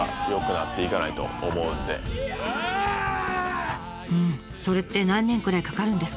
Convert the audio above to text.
うんそれって何年くらいかかるんですかね？